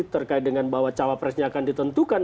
terkait dengan bahwa cawapresnya akan ditentukan